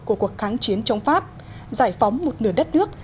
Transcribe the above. của cuộc kháng chiến chống pháp giải phóng một nửa đất nước